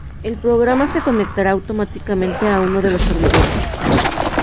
el programa se conectará automáticamente a uno de los servidores